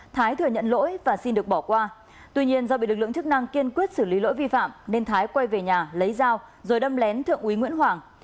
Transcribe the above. thái thừa nhận lỗi và xin được bỏ qua tuy nhiên do bị lực lượng chức năng kiên quyết xử lý lỗi vi phạm nên thái quay về nhà lấy dao rồi đâm lén thượng úy nguyễn hoàng